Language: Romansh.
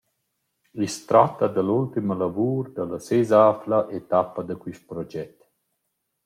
I’s tratta da l’ultima lavur da la sesavla etappa da quist proget.